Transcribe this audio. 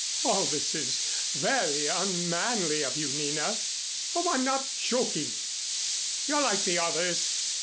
"All this is very unmanly of you, Nina." "Oh, I'm not joking. You're like the others.